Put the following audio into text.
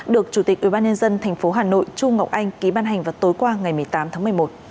được chủ tịch ubnd tp hà nội chu ngọc anh ký ban hành vào tối qua ngày một mươi tám tháng một mươi một